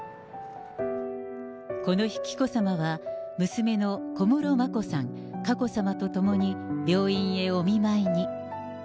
この日、紀子さまは娘の小室眞子さん、佳子さまと共に、病院へお見舞いに。